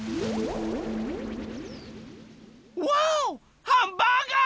わおハンバーガー！